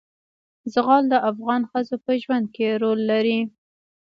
زغال د افغان ښځو په ژوند کې رول لري.